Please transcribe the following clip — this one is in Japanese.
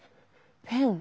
ペン？